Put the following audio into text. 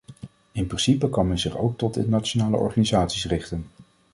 In principe kan men zich ook tot de nationale organisaties richten.